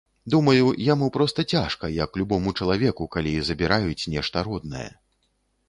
Думаю, яму проста цяжка, як любому чалавеку, калі забіраюць нешта роднае.